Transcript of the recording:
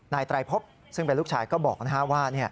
นายไตรพบซึ่งเป็นลูกชายก็บอกนะครับว่า